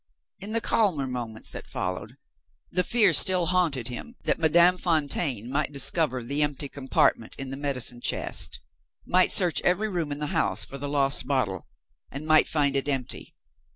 In the calmer moments that followed, the fear still haunted him that Madame Fontaine might discover the empty compartment in the medicine chest might search every room in the house for the lost bottle and might find it empty.